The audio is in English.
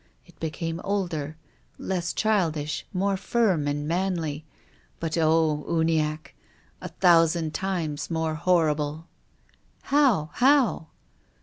It became older, less childish, more firm and manly — but oh, Uniacke! a thousand times more horrible." "How? How?"